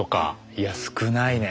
いや少ないね。